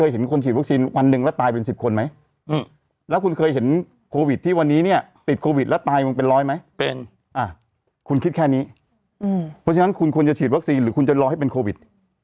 หรือคุณจะร้อยให้เป็นโควิด